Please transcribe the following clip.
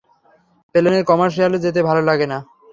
প্লেনের কমার্শিয়ালে যেতে ভালো লাগে না!